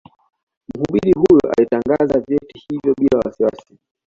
Mhubiri huyo alitangaza vyeti hivyo bila wasiwasi